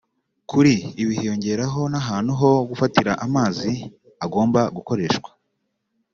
Kuri ibi hiyongeraho n’ahantu ho gufatira amazi agomba gukoreshwa